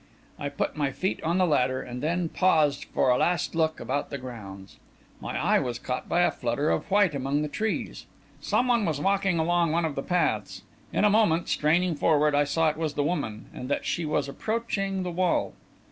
I put my feet on the ladder, and then paused for a last look about the grounds. My eye was caught by a flutter of white among the trees. Someone was walking along one of the paths; in a moment, straining forward, I saw it was the woman, and that she was approaching the wall.